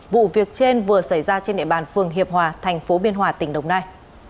vụ việc trên vừa xảy ra trên địa bàn phường hiệp hòa thành phố biên hòa tỉnh đồng nai